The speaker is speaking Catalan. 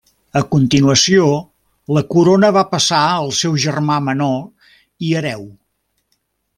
A continuació, la corona va passar al seu germà menor i hereu.